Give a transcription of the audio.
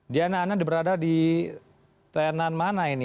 diana anda berada di tenan mana ini